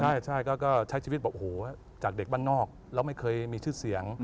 ใช่ก็ใช้ชีวิตแบบโอ้โหจากเด็กบ้านนอกแล้วไม่เคยมีชื่อเสียง